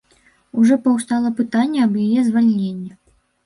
Ужо паўстала пытанне аб яе звальненні.